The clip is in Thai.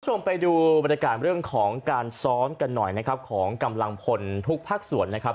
คุณผู้ชมไปดูบรรยากาศเรื่องของการซ้อมกันหน่อยนะครับของกำลังพลทุกภาคส่วนนะครับ